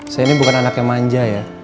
saya ini bukan anak yang manja ya